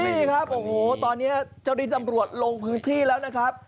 นี่ครับโอ้โหตอนนี้เจ้าที่ตำรวจลงพื้นที่แล้วนะครับ